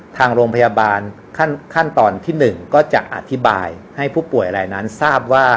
ทางโรงพยาบาลขั้นตอนที่๑ก็จะอธิบายให้ผู้ป่วยอะไรนั้นทราบว่า